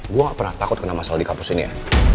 gue gak pernah takut kena masalah di kampus ini ya